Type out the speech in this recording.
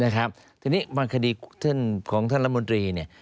ทีนี้บางคดีของท่านรัฐมนตรีเนี่ย